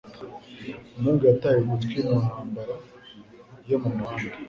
Umuhungu yataye ugutwi mu ntambara yo mu muhanda